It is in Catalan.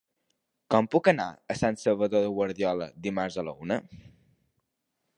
Com puc anar a Sant Salvador de Guardiola dimarts a la una?